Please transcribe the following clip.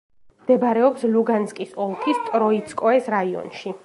მდებარეობს ლუგანსკის ოლქის ტროიცკოეს რაიონში.